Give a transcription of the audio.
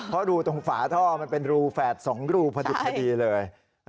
เพราะรูตรงฝาท่อมันเป็นรูแฝด๒รูพอดิบพอดีเลย